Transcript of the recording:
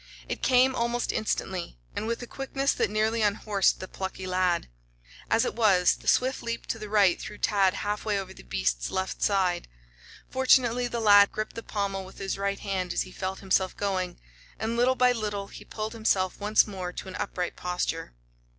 It came almost instantly, and with a quickness that nearly unhorsed the plucky lad. As it was, the swift leap to the right threw Tad half way over on the beast's left side. Fortunately, the lad gripped the pommel with his right hand as he felt himself going, and little by little he pulled himself once more to an upright posture.